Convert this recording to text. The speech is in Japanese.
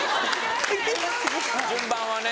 順番はね。